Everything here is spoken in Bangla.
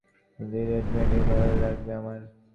লিনেট মেয়েটাকে ভালোই লাগে আমার।